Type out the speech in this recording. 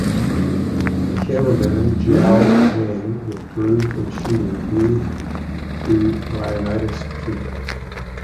The cameraman Xiao Jiang withdrew from shooting due to rhinitis treatment.